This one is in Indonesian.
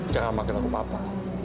jangan makin aku papa